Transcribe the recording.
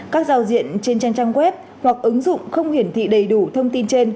các giao diện trên trang web hoặc ứng dụng không hiển thị đầy đủ thông tin trên